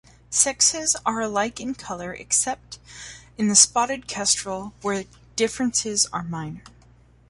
Sexes are alike in color except in the spotted kestrel, where differences are minor.